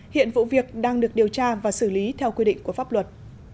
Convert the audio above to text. hiện vụ việc đang được điều tra và xử lý theo quy định của pháp luật